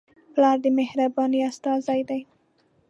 پلار د مهربانۍ استازی دی.